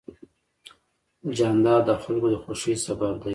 جانداد د خلکو د خوښۍ سبب دی.